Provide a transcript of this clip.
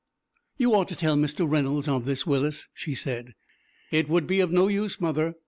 "You ought to tell Mr. Reynolds of this, Willis," she said. "It would be of no use, mother.